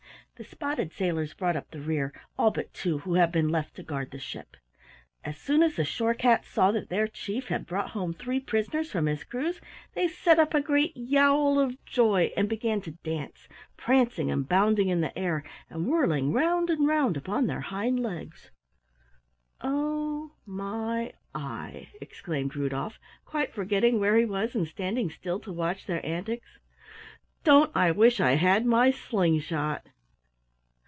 The spotted sailors brought up the rear, all but two who had been left to guard the ship. As soon as the shore cats saw that their Chief had brought home three prisoners from his cruise, they set up a great yowl of joy, and began to dance, prancing and bounding in the air and whirling round and round upon their hind legs. [Illustration: Captain Mittens was the first to leave the pirate ship.] "Oh, my eye!" exclaimed Rudolf, quite forgetting where he was and standing still to watch their antics. "Don't I wish I had my slingshot!"